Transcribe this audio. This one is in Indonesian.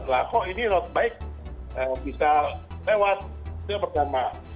lah kok ini road bike bisa lewat itu yang pertama